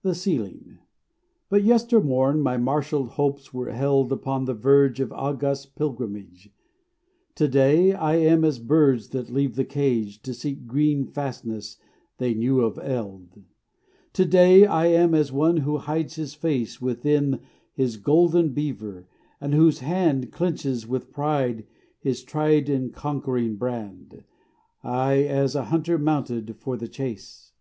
THE SEALING But yestermorn my marshalled hopes were held Upon the verge of august pilgrimage; To day I am as birds that leave the cage To seek green fastnesses they knew of eld; To day I am as one who hides his face Within his golden beaver, and whose hand Clenches with pride his tried and conquering brand, Ay, as a hunter mounted for the chase.